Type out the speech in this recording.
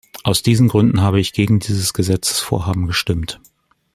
Aus diesen Gründen habe ich gegen dieses Gesetzesvorhaben gestimmt.